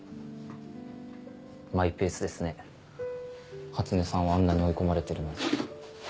マイペースですね初音さんはあんなに追い込まれてるのに。